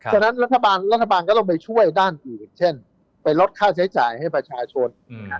ฉะนั้นรัฐบาลก็ต้องไปช่วยด้านอื่นเช่นไปลดค่าใช้จ่ายให้ประชาชน